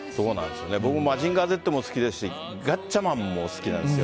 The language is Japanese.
僕「マジンガーＺ」も好きですしガッチャマンも好きなんですよ。